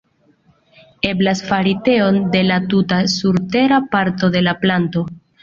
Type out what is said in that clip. Eblas fari teon de la tuta surtera parto de la planto.